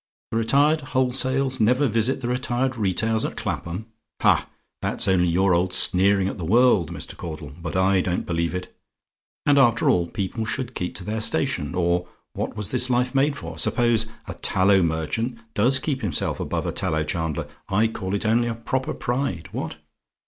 "THE RETIRED WHOLESALES NEVER VISIT THE RETIRED RETAILS AT CLAPHAM? "Ha! that's only your old sneering at the world, Mr. Caudle; but I don't believe it. And after all, people should keep to their station, or what was this life made for? Suppose a tallow merchant does keep himself above a tallow chandler, I call it only a proper pride. What?